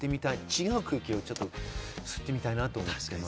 違う空気を吸ってみたいなと思います。